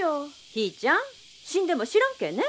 ヒーちゃん死んでも知らんけえね。